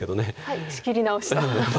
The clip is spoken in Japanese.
仕切り直しと。